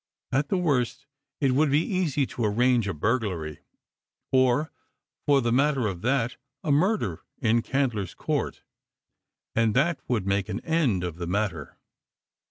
At the worst it would be easy to arrange a burglary, or, for the matter of that, a murder in Candler's Court, and that would make an end of the matter.